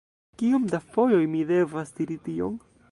Kiom da fojoj mi devas diri tion!